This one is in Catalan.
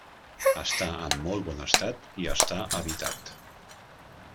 Està en molt bon estat i està habitat.